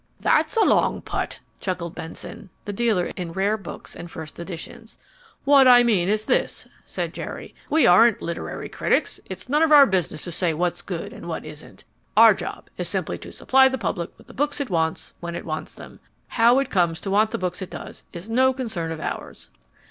"That's a long putt," chuckled Benson, the dealer in rare books and first editions. "What I mean is this," said Jerry. "We aren't literary critics. It's none of our business to say what's good and what isn't. Our job is simply to supply the public with the books it wants when it wants them. How it comes to want the books it does is no concern of ours."